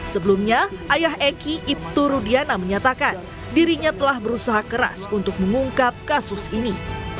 sebelumnya ayah eki ibtu rudiana menyatakan dirinya telah berusaha keras untuk mengungkap kasus ini